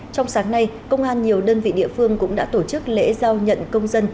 trong sáng nay công an nhiều đơn vị địa phương cũng đã tổ chức lễ giao nhận công dân